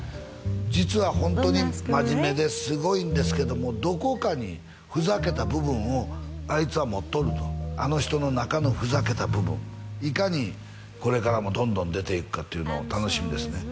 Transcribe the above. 実はホントに真面目ですごいんですけどもどこかにふざけた部分をあいつは持っとるとあの人の中のふざけた部分いかにこれからもどんどん出ていくかっていうの楽しみですね